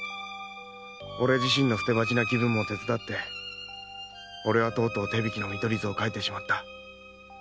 俺自身の捨て鉢な気分も手伝って俺はとうとう手引きの見取り図を書いてしまった」